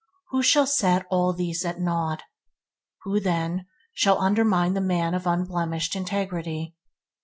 Who shall set these at naught? Who, then, shall undermine the man of unblemished integrity?